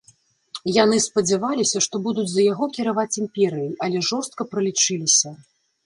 Яны спадзяваліся, што будуць за яго кіраваць імперыяй, але жорстка пралічыліся.